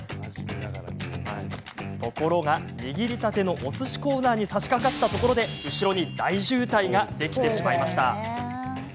ところが握りたてのお寿司コーナーにさしかかったところで後ろに大渋滞ができてしまいました。